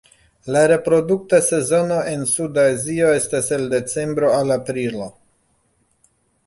La reprodukta sezono en Suda Azio estas el decembro al aprilo.